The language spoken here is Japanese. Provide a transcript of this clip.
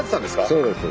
そうです。